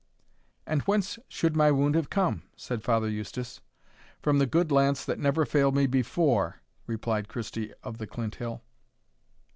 "And whence should my wound have come?" said Father Eustace. "From the good lance that never failed me before," replied Christie of the Clinthill.